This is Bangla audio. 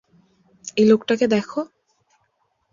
এই লোকটাকে দেখ।